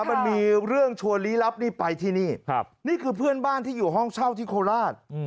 มันมีเรื่องชวนลี้ลับนี่ไปที่นี่นี่คือเพื่อนบ้านที่อยู่ห้องเช่าที่โคราช